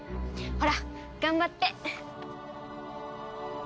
ほら頑張って！